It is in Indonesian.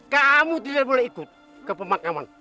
kamu tidak boleh ikut ke pemakaman